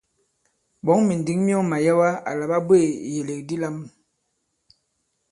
Ɓɔ̌ŋ mìndǐŋ myɔŋ màyɛwa àla ɓa bweè ìyèlèk di lam.